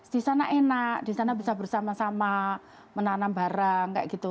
di sana enak di sana bisa bersama sama menanam barang kayak gitu